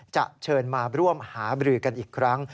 จะเชิญมาร่วมหาบรือกันอีกครั้ง